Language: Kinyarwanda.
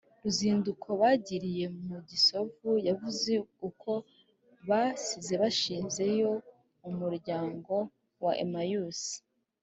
ruzinduko bagiriye mu gisovu. yavuze uko basize bashinzeyo umuryango wa emmaüs,